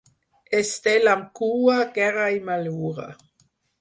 Estel amb cua, guerra i malura.